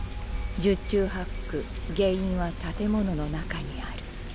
十中八九原因は建物の中にある。